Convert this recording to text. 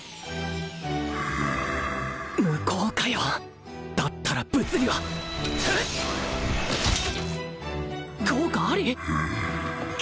無効かよだったら物理は効果あり！？